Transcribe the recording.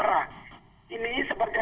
kemudian muncul di wilayah watu tau